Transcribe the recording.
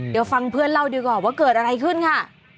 เดี๋ยวฟังเพื่อนเล่าดีกว่าว่าเกิดอะไรขึ้นค่ะ